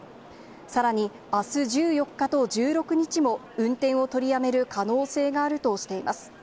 さらに、あす１４日と１６日も運転を取りやめる可能性があるとしています。